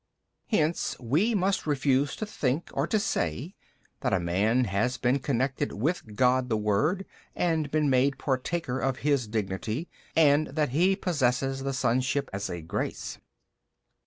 B. Hence we must refuse to think or to say that a man has been connected with God the Word and been made partaker of His Dignity and that he possesses the sonship as a grace.